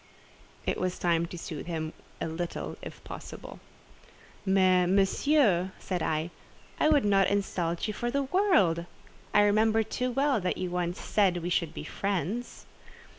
It was time to soothe him a little if possible. "Mais, Monsieur," said I, "I would not insult you for the world. I remember too well that you once said we should be friends."